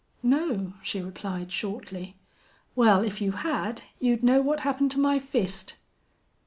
"No," she replied, shortly. "Well, if you had, you'd know what happened to my fist."